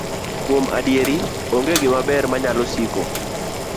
Kuom adier, onge gimaber manyalo siko.